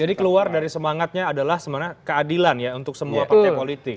jadi keluar dari semangatnya adalah sebenarnya keadilan ya untuk semua partai politik